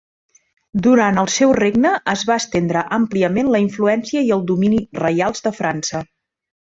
Durant el seu regne es va estendre àmpliament la influència i el domini reials de França.